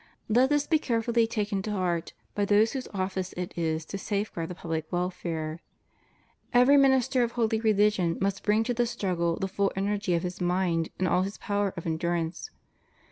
Let this be carefully taken to heart by those whose office it is to safe guard the pubHc welfare. Every minister of holy religion must bring to the struggle the full energy of his mind and all his power of endurance.